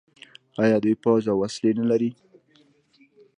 آیا دوی پوځ او وسلې نلري؟